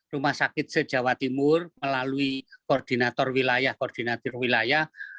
rumah sakit se jawa timur melalui koordinator wilayah koordinator wilayah